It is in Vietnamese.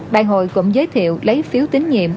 đại hội cũng giới thiệu lấy phiếu tín nhiệm